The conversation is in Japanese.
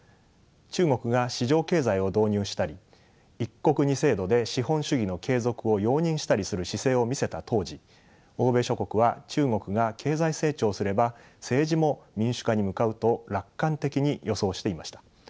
中国が市場経済を導入したり「一国二制度」で資本主義の継続を容認したりする姿勢を見せた当時欧米諸国は中国が経済成長すれば政治も民主化に向かうと楽観的に予想していました。